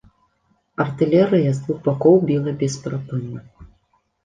Артылерыя з двух бакоў біла бесперапынна.